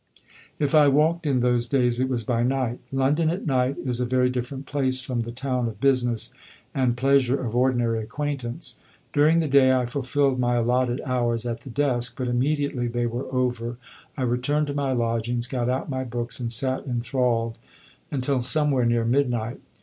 If I walked in those days it was by night. London at night is a very different place from the town of business and pleasure of ordinary acquaintance. During the day I fulfilled my allotted hours at the desk; but immediately they were over I returned to my lodgings, got out my books, and sat enthralled until somewhere near midnight.